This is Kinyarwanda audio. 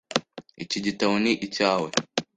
Iki gitabo ni icyawe?